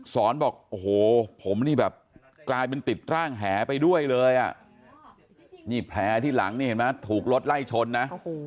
สอนบอกโอ้โหผมนี่แบบกลายเป็นติดร่างแหไปด้วยเลยอ่ะนี่แผลที่หลังนี่เห็นไหมถูกรถไล่ชนนะ